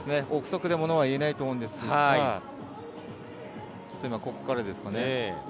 臆測ではものは言えないと思うんですが、ここからですかね。